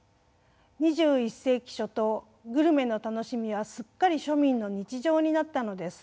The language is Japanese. ２１世紀初頭グルメの楽しみはすっかり庶民の日常になったのです。